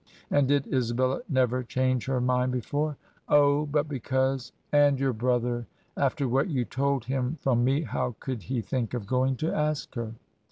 ' 'And did Isabella never change her mind before?' 'Oh I but because — and your brother! After what you told him from me, how could he think of going to ask her?'